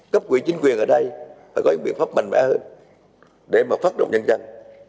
cấp quỹ chính quyền ở đây phải có những biện pháp mạnh mẽ hơn để mà phát động nhân dân